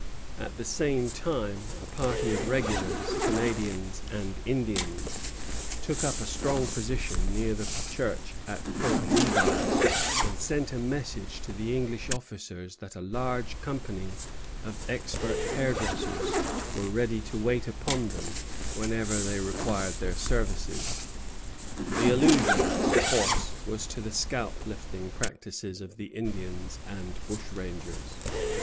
At the same time a party of regulars, Canadians, and Indians took up a strong position near the church at Point Levi, and sent a message to the English officers that a large company of expert hairdressers were ready to wait upon them whenever they required their services. The allusion was of course to the scalp lifting practices of the Indians and bushrangers.